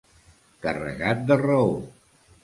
Carregat de raó.